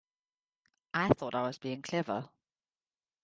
I thought I was being clever.